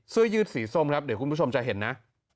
เสื้อยืดสีส้มครับเดี๋ยวคุณผู้ชมจะเห็นนะ